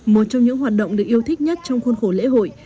một trong những hoạt động được yêu thích nhất trong khuôn khổ lễ hội